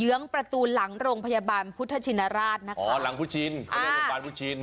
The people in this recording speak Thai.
เหลืองประตูหลังโรงพยาบาลพุทธชินราชหลังพุทธชิน